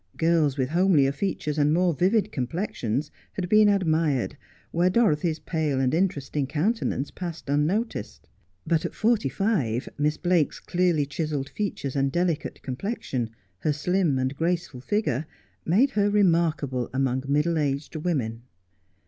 Girls with homelier features and more vivid complexions had been admired where Dorothy's pale and interesting countenance passed unnoticed. But at forty five Miss Blake's clearly chiselled features and delicate complexion, her slim and graceful figure, made her remarkable among middle aged women.